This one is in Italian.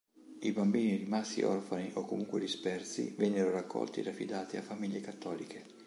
I bambini rimasti orfani o comunque dispersi vennero raccolti ed affidati a famiglie cattoliche.